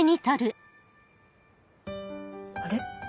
あれ？